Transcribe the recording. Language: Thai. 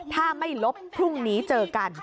ถ้าไม่ลบพรุ่งนี้เจอกัน